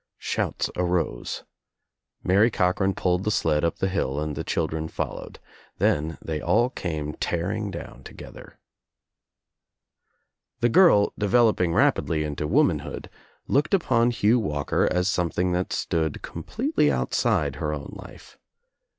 Shouts arose. Mary Cochran pulled the sled up the hill and the children followed. Then they all came tearing down together. The girl, developing rapidly into womanhood, looked upon Hugh Walker as something that stood completely outside her own life.